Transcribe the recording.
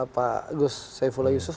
pak gus saifullah yusuf